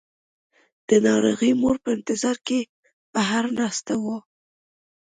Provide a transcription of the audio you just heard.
د ناروغې مور په انتظار کې بهر ناسته وه.